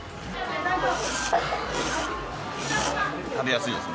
食べやすいですね。